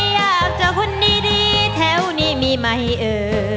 อยากเจอคนดีแถวนี้มีไหมเออ